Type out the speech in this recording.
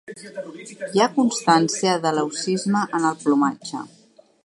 Hi ha constància de leucisme en el plomatge.